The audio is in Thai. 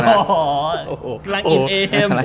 อ๋อรักอินเอม